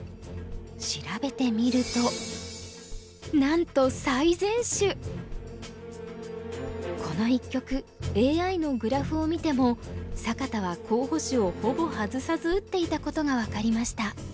調べてみるとなんとこの一局ＡＩのグラフを見ても坂田は候補手をほぼ外さず打っていたことが分かりました。